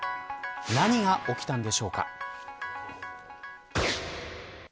何が起きたんでしょうか。